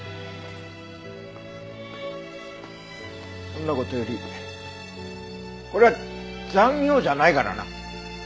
そんな事よりこれは残業じゃないからな。